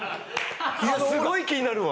いやすごい気になるわ。